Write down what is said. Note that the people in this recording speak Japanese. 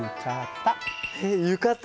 えっ浴衣？